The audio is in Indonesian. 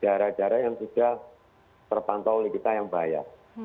dara dara yang sudah terpantau oleh kita yang bahaya